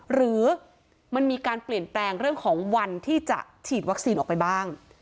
หรือมันมีการเปลี่ยนแปลงเรื่องของวันที่จะฉีดวัคซีนออกไปบ้าง